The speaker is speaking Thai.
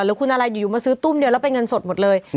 หรือคุณอะไรอยู่มาซื้อตุ้มเดียวแล้วเป็นเงินสดหมดเลย